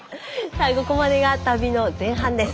ここまでが旅の前半です。